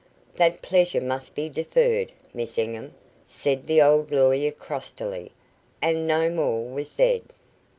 "That pleasure must be deferred, Miss D'Enghien," said the old lawyer, crustily; and no more was said.